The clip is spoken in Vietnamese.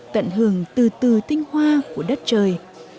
tận hưởng từ từ tinh hoa của đất trời